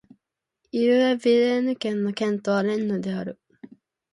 イル＝エ＝ヴィレーヌ県の県都はレンヌである